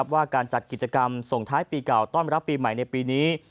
ว่าการจัดกิจกรรมส่งท้ายปีเก่าต้อนรับปีใหม่ในปีนี้